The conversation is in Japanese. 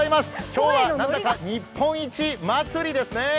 今日は何だか日本一祭りですね。